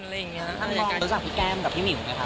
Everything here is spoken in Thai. ถ้าเกิดการรู้จักพี่แก้มกับพี่หมิวนะคะ